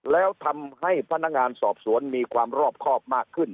แล้วทำให้พนักงานสอบสวนมีความรอบครอบมากขึ้น